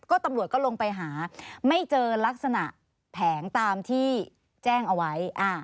ก็ตำรวจก็ลงไปหาไม่เจอลักษณะแผงตามที่แจ้งเอาไว้